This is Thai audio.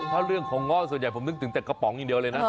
ถ้าเรื่องของง่อส่วนใหญ่ผมนึกถึงแต่กระป๋องอย่างเดียวเลยนะ